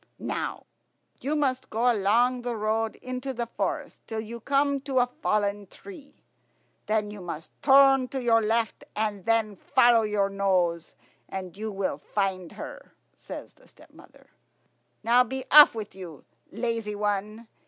"You must go along the road into the forest till you come to a fallen tree; then you must turn to your left, and then follow your nose and you will find her," says the stepmother. "Now, be off with you, lazy one.